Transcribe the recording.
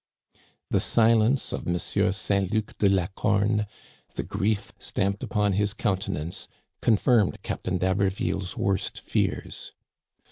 " The silence of M. Saint Luc de Lacome, the grief stamped upon his countenance, confirmed Captain d*Haberville*s worst fears.